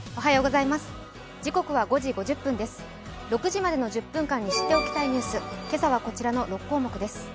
６時までの１０分間に知っておきたいニュース、今朝はこちらの６項目です。